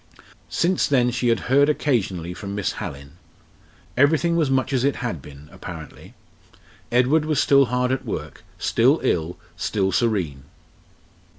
Since then she had heard occasionally from Miss Hallin. Everything was much as it had been, apparently. Edward was still hard at work, still ill, still serene.